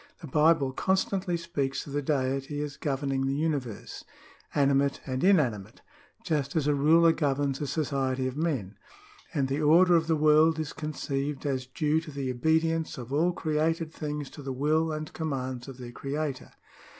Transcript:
The Bible constantly speaks of the Deity as governing the 42 OTHER KINDS OF LAW [§15 universe, animate and inanimate, just as a ruler governs a society of men ; and the order of the world is conceived as due to the obedience of all created things to the will and com mands of their Creator.